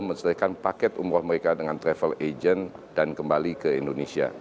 mencetakkan paket umroh mereka dengan travel agent dan kembali ke indonesia